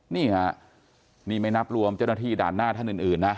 นี่ค่ะนี่ไม่นับรวมเจ้าหน้าที่ด่านหน้าท่านอื่นนะ